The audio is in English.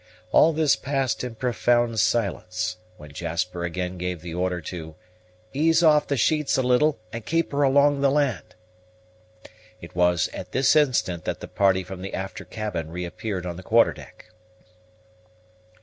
All this passed in profound silence, when Jasper again gave the order to "ease off the sheets a little and keep her along the land." It was at this instant that the party from the after cabin reappeared on the quarter deck.